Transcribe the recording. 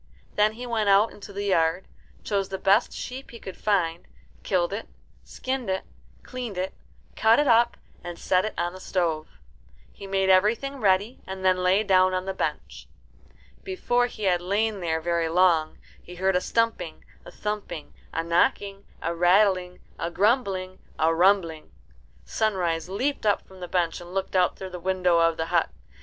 Then he went out into the yard, chose the best sheep he could find, killed it, skinned it, cleaned it, cut it up, and set it on the stove. He made everything ready, and then lay down on the bench. Before he had lain there very long he heard a stumping, a thumping, a knocking, a rattling, a grumbling, a rumbling. Sunrise leaped up from the bench and looked out through the window of the hut.